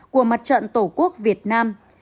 của mặt trận tổ quốc việt nam